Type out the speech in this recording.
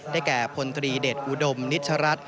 แก่พลตรีเดชอุดมนิชรัฐ